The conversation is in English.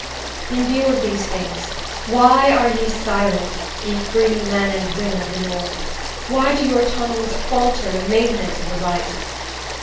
In view of these things, why are ye silent, ye free men and women of the north? Why do your tongues falter in maintenance of the right?